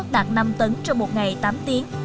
đạt năm tấn trong một ngày tám tiếng